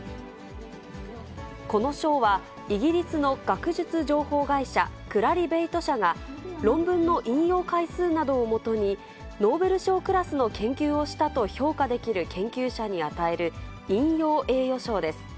この賞はイギリスの学術情報会社、クラリベイト社が、論文の引用回数などをもとに、ノーベル賞クラスの研究をしたと評価できる研究者に与える引用栄誉賞です。